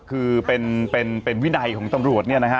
คือเป็นวินัยของตำรวจเนี่ยนะฮะ